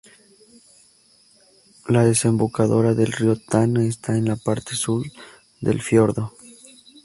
La desembocadura del río Tana está en la parte sur del fiordo.